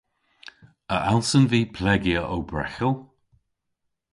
A allsen vy plegya ow breghel?